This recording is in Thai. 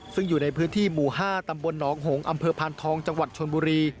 ซึ่งอยู่ในพื้นที่หมู่๕ตำบลหนองหงษ์อำเภอพานทองจังหวัดชนบุรี